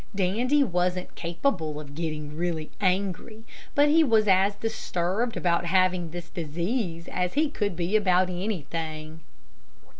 Dandy wasn't capable of getting really angry, but he was as disturbed about having this disease as he could be about anything.